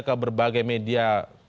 ke berbagai media